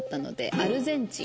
アルゼンチン。